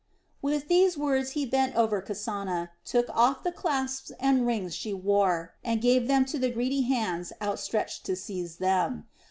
With these words he bent over Kasana, took off the clasps and rings she still wore, and gave them to the greedy hands outstretched to seize them.